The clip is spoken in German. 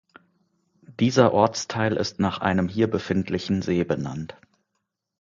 Dieser Ortsteil ist nach einem hier befindlichen See benannt.